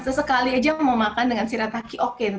sesekali aja mau makan dengan shirataki oke